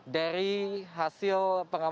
dari hasil penumpang pesawat